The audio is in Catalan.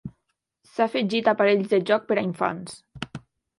S'hi ha afegit aparells de jocs per a infants.